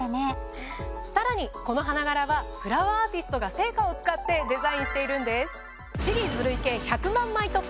さらにこの花柄はフラワーアーティストが生花を使ってデザインしているんです。